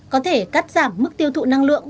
có thể cắt giảm mức tiêu thụ năng lượng